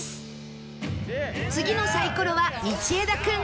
次のサイコロは道枝君